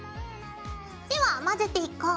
では混ぜていこう。